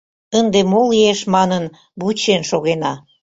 Ынде мо лиеш манын, вучен шогена.